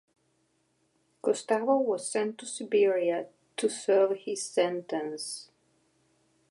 Kostava was sent to Siberia to serve his sentence.